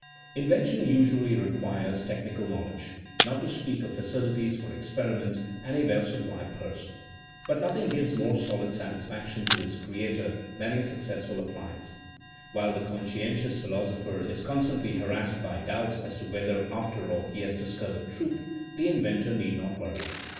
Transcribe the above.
'' Invention usually requires highly technical knowledge, not to speak of facilities for experi ment and a well supplied purse. But nothing gives more solid satisfaction to its creator than a successful appliance. While the conscientious philosopher is constantly harassed by doubts as to whether, after all, he has discovered truth; the inventor need not worry.